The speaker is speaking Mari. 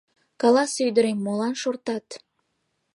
Каласе, ӱдырем, молан шортат?